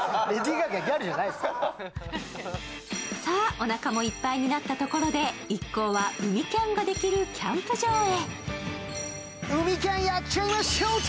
おなかもいっぱいになったところで一行は海キャンができるキャンプ場へ。